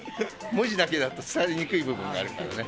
文字だけだと伝わりにくい部分があるからね。